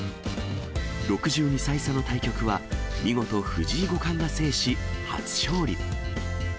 ６２歳差の対局は、見事、藤井五冠が制し、初勝利。